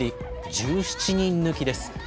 １７人抜きです。